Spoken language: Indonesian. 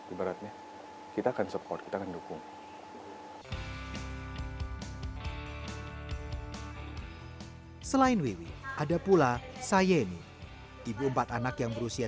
ibaratnya kita akan support dengan dukung selain ada pula saya ini ibu empat anak yang berusia tiga puluh delapan